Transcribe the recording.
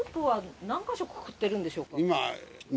これ、ロープは何か所くくってるんでしょうか。